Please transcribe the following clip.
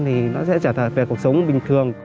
thì nó sẽ trả thật về cuộc sống bình thường